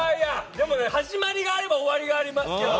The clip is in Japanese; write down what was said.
でもね始まりがあれば終わりがあります。